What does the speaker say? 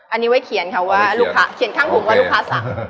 อันนี้ไว้เขียนค่ะว่าลูกค้าเขียนข้างผมว่าลูกค้าสั่ง